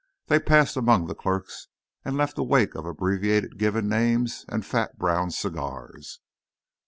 They passed among the clerks and left a wake of abbreviated given names and fat brown cigars.